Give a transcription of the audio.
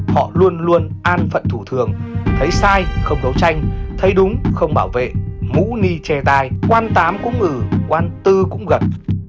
họ luôn luôn an phận thủ thường thấy sai không đấu tranh thấy đúng không bảo vệ mũ ni chè đài quan tám cũng ngử quan tư cũng gật